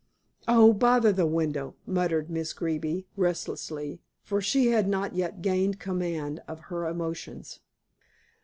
"Oh, bother the window!" muttered Miss Greeby restlessly, for she had not yet gained command of her emotions.